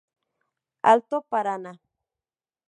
Alto Paraná.